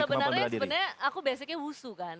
sebenernya aku basicnya wusu kan